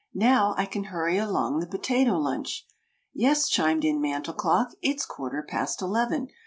"Now, I can hurry along the Potato Lunch." "Yes," chimed in Mantel Clock, "it's quarter past eleven.